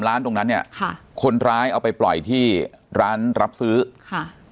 ร้านตรงนั้นเนี่ยค่ะคนร้ายเอาไปปล่อยที่ร้านรับซื้อค่ะ